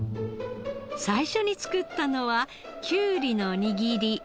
最初に作ったのはきゅうりの握り。